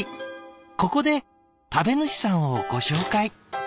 ここで食べ主さんをご紹介」。